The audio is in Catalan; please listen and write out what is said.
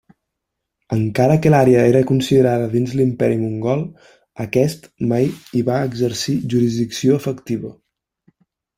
Encara que l'àrea era considerada dins l'Imperi Mogol, aquest mai hi va exercir jurisdicció efectiva.